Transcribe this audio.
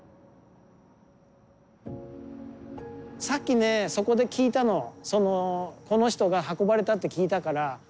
さっきねそこで聞いたのこの人が運ばれたって聞いたから。